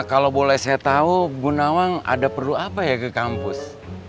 kalau boleh saya tahu bu nawang ada perlu apa ya ke kampus